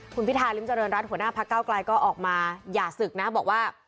คุณพิธาริมเจริญรัฐหัวหน้าพักเก้าไกลก็ออกมาอย่าศึกนะบอกว่า